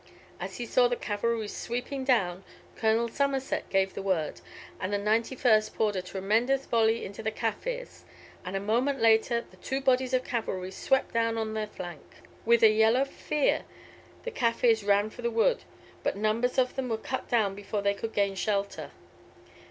As he saw the cavalry sweeping down, Colonel Somerset gave the word, and the 91st poured a tremendous volley into the Kaffirs, and a moment later the two bodies of cavalry swept down on their flank. With a yell of fear the Kaffirs ran for the wood, but numbers of them were cut down before they could gain shelter.